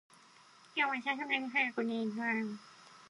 今日は流石に早く帰る。